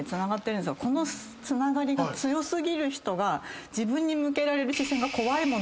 このつながりが強過ぎる人が自分に向けられる視線が。